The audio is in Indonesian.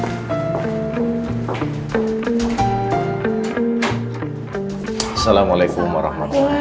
assalamualaikum warahmatullahi wabarakatuh